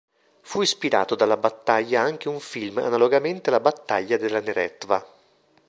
Fu ispirato dalla battaglia anche un film, analogamente alla Battaglia della Neretva.